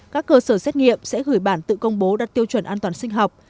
các cơ sở xét nghiệm sẽ gửi bản tự công bố đặt tiêu chuẩn an toàn sinh học